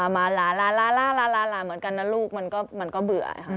มาลาเหมือนกันนะลูกมันก็เบื่อค่ะ